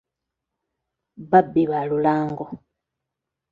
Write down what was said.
Babbi ba lulango.